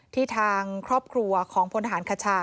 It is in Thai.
ทางครอบครัวของพลทหารคชา